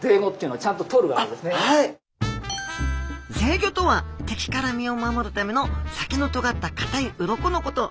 ギョとは敵から身を守るための先のとがった硬い鱗のこと。